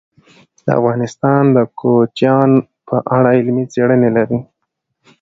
افغانستان د کوچیان په اړه علمي څېړنې لري.